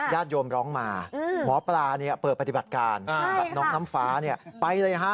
ยาดโยมร้องมาหมอปลานี่เปิดปฏิบัติการน้องน้ำฟ้าเนี่ยไปเลยฮะ